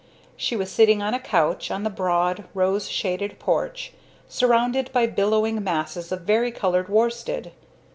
She was sitting on a couch on the broad, rose shaded porch, surrounded by billowing masses of vari colored worsted.